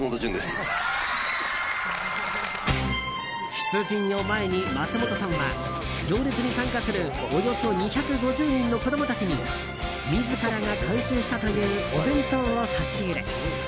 出陣を前に、松本さんは行列に参加するおよそ２５０人の子供たちに自らが監修したというお弁当を差し入れ。